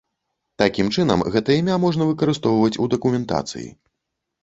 Такім чынам, гэта імя можна выкарыстоўваць у дакументацыі.